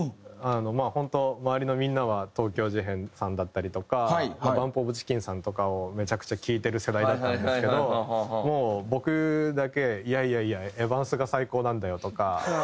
まあ本当周りのみんなは東京事変さんだったりとかＢＵＭＰＯＦＣＨＩＣＫＥＮさんとかをめちゃくちゃ聴いてる世代だったんですけどもう僕だけ「いやいやいやエヴァンスが最高なんだよ」とか。